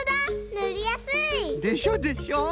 ぬりやすい！でしょでしょ？